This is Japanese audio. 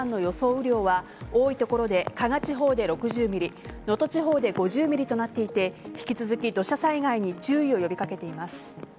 雨量は多い所で、加賀地方で６０ｍｍ能登地方で５０ｍｍとなっていて引き続き土砂災害に注意を呼び掛けています。